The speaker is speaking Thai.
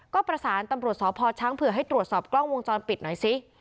ก็ประสานตำรวจสพช้างเผื่อให้ตรวจสอบกล้องวงจรปิดหน่อยซิ